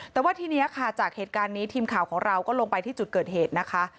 แต่ว่าทีนี้ค่ะจากเหตุการณ์นี้ทีมข่าวของเราก็ลงไปที่จุดเกิดเหตุนะคะ